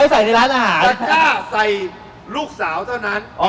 ใครจะมาใส่ในจักร้าจักร้าใส่ลูกสาวเท่านั้น